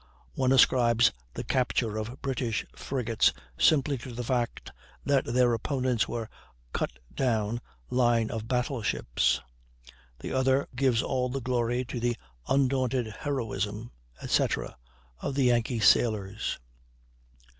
One ascribes the capture of the British frigates simply to the fact that their opponents were "cut down line of battle ships"; the other gives all the glory to the "undaunted heroism," etc., of the Yankee sailors.